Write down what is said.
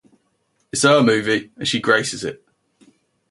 It's her movie, and she graces it.